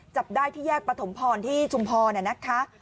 จับได้ที่แยกประถมพรที่ชุมพรนะคะ